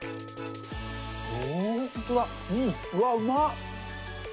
うわ、うまっ。